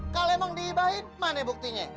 kalau emang diibahin mana buktinya